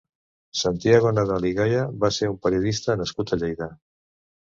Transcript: Santiago Nadal i Gaya va ser un periodista nascut a Lleida.